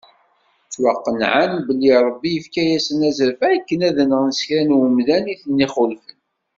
Ttwaqenɛen belli Ṛebbi yefka-asen azref akken ad nɣen sekra n umdan iten-ixulfen.